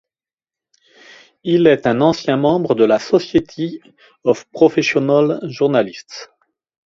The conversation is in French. Il est un ancien membre de la Society of Professional Journalists.